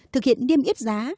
thực hiện niêm yếp giá